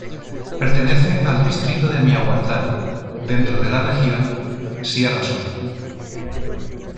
Pertenece al distrito de Miahuatlán, dentro de la región sierra sur.